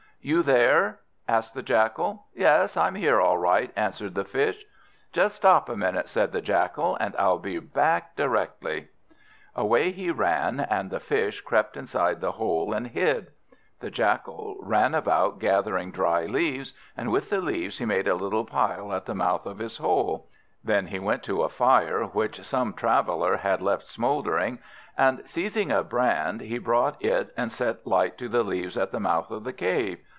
"You there?" asked the Jackal. "Yes, I'm here all right," answered the Fish. "Just stop a minute," said the Jackal, "and I'll be back directly." Away he ran, and the Fish crept inside the hole, and hid. The Jackal ran about gathering dry leaves, and with the leaves he made a little pile at the mouth of his hole. Then he went to a fire which some traveller had left smouldering, and seizing a brand, he brought it and set light to the leaves at the mouth of the cave.